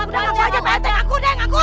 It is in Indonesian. pak rt ngaku deng aku